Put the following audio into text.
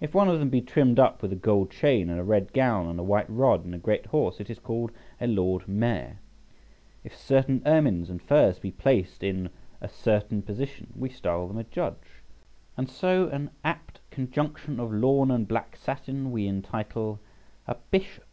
If one of them be trimmed up with a gold chain, and a red gown, and a white rod, and a great horse, it is called a Lord Mayor; if certain ermines and furs be placed in a certain position, we style them a judge, and so an apt conjunction of lawn and black satin we entitle a Bishop.